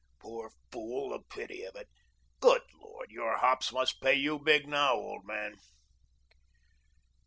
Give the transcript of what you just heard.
Poor fool! The pity of it. Good Lord, your hops must pay you big, now, old man."